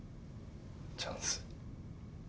チャンス？